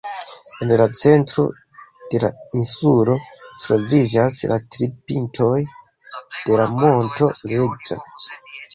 En la centro de la insulo troviĝas la tri pintoj de la monto Reĝa.